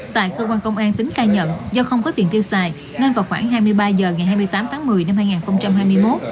tại cơ quan công an tính khai nhận do không có tiền tiêu xài nên vào khoảng hai mươi ba h ngày hai mươi tám tháng một mươi năm hai nghìn hai mươi một